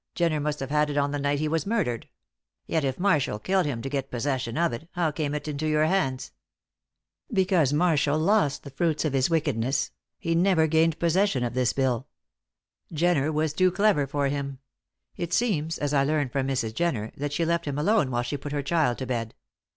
Jenner must have had it on the night he was murdered; yet if Marshall killed him to get possession of it, how came it into your hands?" "Because Marshall lost the fruits of his wickedness he never gained possession of this bill. Jenner was too clever for him; it seems, as I learn from Mrs. Jenner, that she left him alone while she put her child to bed.